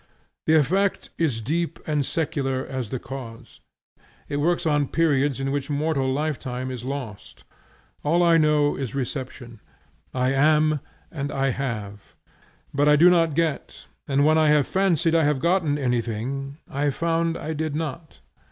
The effect is deep and secular as the cause. It works on periods in which mortal lifetime is lost. All I know is reception; I am and I have: but I do not get, and when I have fancied I had gotten anything, I found I did not.